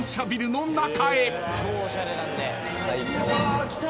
うわきた！